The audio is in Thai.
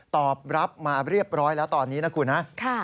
ตอบรับมาเรียบร้อยแล้วตอนนี้นะคุณนะ